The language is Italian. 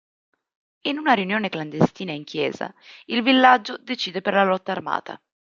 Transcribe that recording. In una riunione clandestina in chiesa, il villaggio decide per la lotta armata.